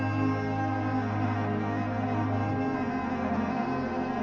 lalu lali arab telah mengawali konsep v enam belas pailah topves